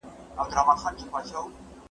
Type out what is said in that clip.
استاد د څېړني په پروسه کي ډېر جدي دی.